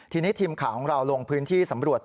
ทีนี้ทีมข่าวของเราลงพื้นที่สำรวจ